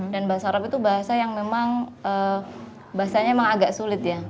dan bahasa arab itu bahasa yang memang bahasanya memang agak sulit ya